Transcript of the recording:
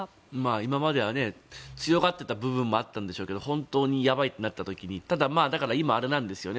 今までは強がっていた部分もあったんでしょうけど本当にやばいってなった時に今、あれなんですよね